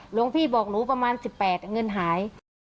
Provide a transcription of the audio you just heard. หลวงพี่บอกหนูประมาณ๑๘บาทเหงื่อนหาย